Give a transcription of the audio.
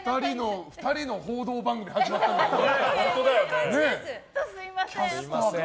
２人の報道番組が始まったみたいな。